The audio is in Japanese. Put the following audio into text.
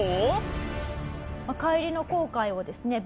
帰りの航海をですね